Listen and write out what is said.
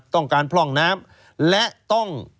ต้องการพร่องน้ำและต้อง